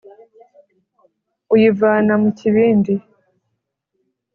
uyivana mu kibindi